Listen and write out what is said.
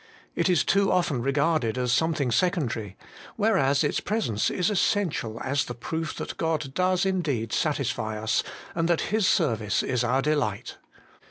It is too often regarded as something secondary ; whereas its presence is essential as the proof that God does indeed satisfy us, and that His service is our delight.